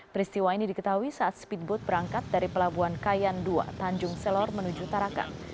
peristiwa ini diketahui saat speedboat berangkat dari pelabuhan kayan dua tanjung selor menuju tarakan